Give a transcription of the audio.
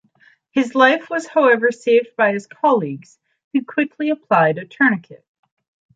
His life was however saved by his colleagues, who quickly applied a tourniquet.